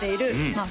まあ